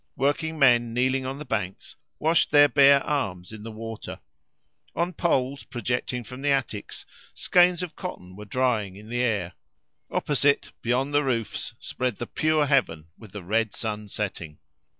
Working men, kneeling on the banks, washed their bare arms in the water. On poles projecting from the attics, skeins of cotton were drying in the air. Opposite, beyond the roots spread the pure heaven with the red sun setting.